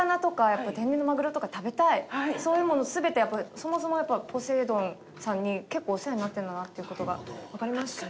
そういうものを全てやっぱりそもそもポセイドンさんに結構お世話になってるんだなっていう事がわかりまして。